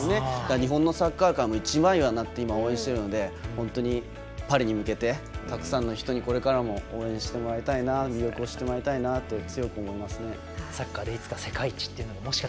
日本のサッカー界も今、一枚岩になって応援しているのでパリに向けて、たくさんの人にこれからも応援してほしいな魅力を知ってほしいなと思います。